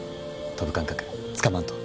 飛ぶ感覚つかまんと。